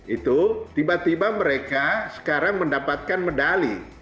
itu tiba tiba mereka sekarang mendapatkan medali